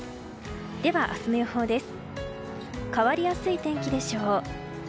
では、明日の予報です。